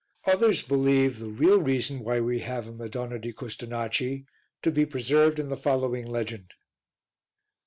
Others believe the real reason why we have a Madonna di Custonaci to be preserved in the following legend.